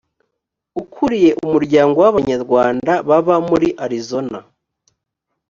ukuriye umuryango w’abanyarwanda baba muri arizona.